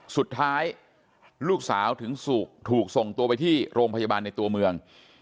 สุดท้ายลูกสาวถึงถูกส่งตัวไปที่โรงพยาบาลในตัวเมือง